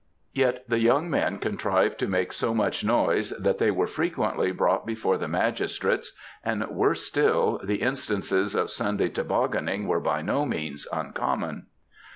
Yet the young men contrived to make so much noise that they were frequently brought before the magis trates, and, worse still, the instances of Sunday tobogganing were by no means uncommon.